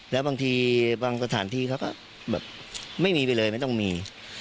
แล้วบางทีบางสถานที่เขาก็แบบไม่มีไปเลยไม่ต้องมี